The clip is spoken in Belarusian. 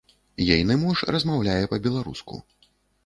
Ейны муж размаўляе па-беларуску.